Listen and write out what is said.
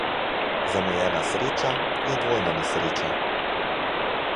Zamujena sreča je dvojna nesreča.